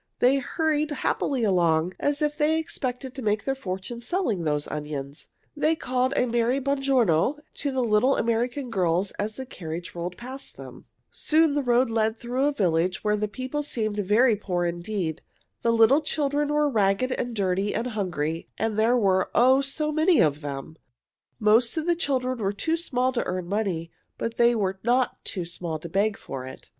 They hurried happily along, as if they expected to make their fortune selling those onions. They called a merry "Buon giorno" to the little American girls as the carriage rolled past them. [Illustration: Two small boys carried strings of onions over their shoulders] Soon the road led through a village where the people seemed very poor indeed. The little children were ragged and dirty and hungry, and there were, oh, so many of them! Most of the children were too small to earn money, but they were not too small to beg for it.